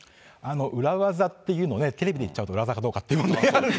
裏技っていうのね、テレビで言っちゃうと裏技かどうかってね。